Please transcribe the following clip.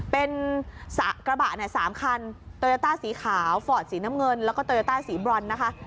เป็นกระบะ๓คันโตโยต้าสีขาวฟอร์ดสีน้ำเงินแล้วก็โตโยต้าสีบรอนนะคะ